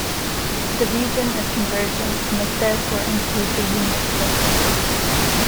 The region of convergence must therefore include the unit circle.